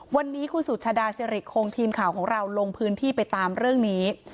วันนี้คุณสุชาดาสิริคงทีมข่าวของเราลงพื้นที่ไปตามเรื่องนี้